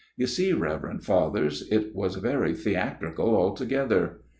You see, Rever end Fathers, it was very theatrical altogether.